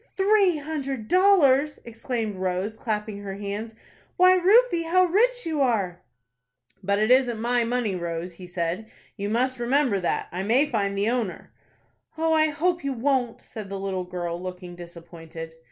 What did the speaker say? "Three hundred dollars!" exclaimed Rose, clapping her hands. "Why Rufie, how rich you are!" "But it isn't my money, Rose," he said. "You must remember that. I may find the owner." "Oh, I hope you won't," said the little girl, looking disappointed.